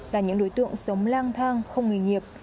là những đối tượng sống lang thang không nghề nghiệp